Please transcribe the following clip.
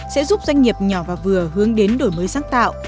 sẽ giúp doanh nghiệp nhỏ và vừa hướng đến đổi mới sáng tạo